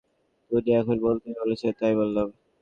উনি এখন বলতে বলছেন তাই বললাম।